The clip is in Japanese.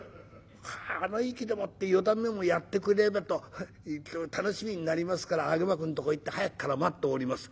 あの意気でもって四段目もやってくれればと楽しみになりますから揚幕んとこ行って早くから待っております。